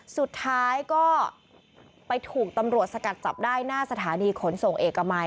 สุดท้ายก็ไปถูกตำรวจสกัดจับได้หน้าสถานีขนส่งเอกมัย